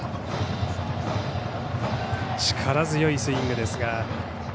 力強いスイングですが。